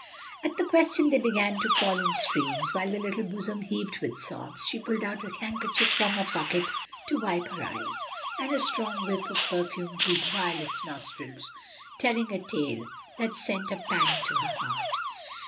At the question they began to fall in streams, while the little bosom heaved with sobs. She pulled out a handkerchief from her pocket to wipe her eyes, and a strong whiff of perfume greeted Violet's nostrils, telling a tale that sent a pang to her heart.